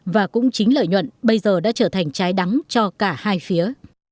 và cũng chính lợi nhuận bây giờ đã trở thành trái đắng cho cả hai phía